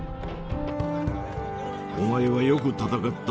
お前はよく戦った。